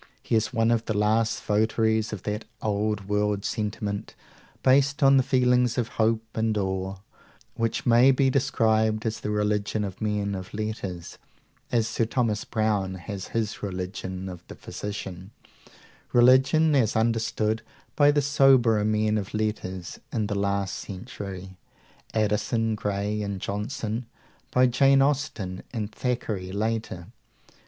He is one of the last votaries of that old world sentiment, based on the feelings of hope and awe, which may be described as the religion of men of letters (as Sir Thomas Browne has his Religion of the Physician) religion as understood by the soberer men of letters in the last century, Addison, Gray, and Johnson; by Jane Austen and Thackeray, later.